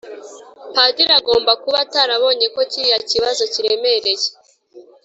Padiri agomba kuba atarabonye ko kiriya kibazo kiremereye.